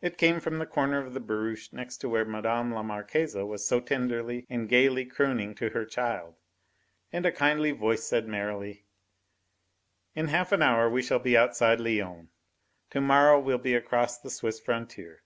It came from the corner of the barouche next to where Mme. la Marquise was so tenderly and gaily crooning to her child. And a kindly voice said merrily: "In half an hour we shall be outside Lyons. To morrow we'll be across the Swiss frontier.